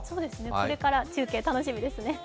これから中継楽しみですね。